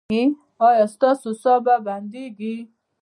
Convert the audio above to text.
ایا ستاسو ساه به بندیږي؟